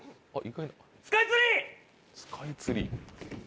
スカイツリー！